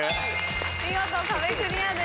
見事壁クリアです。